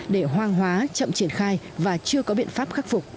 để hoang hóa chậm triển khai và chưa có biện pháp khắc phục